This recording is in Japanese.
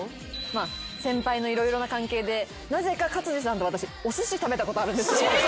まあ先輩の色々な関係でなぜか勝地さんと私おすし食べたことあるんです。